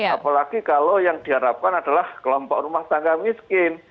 apalagi kalau yang diharapkan adalah kelompok rumah tangga miskin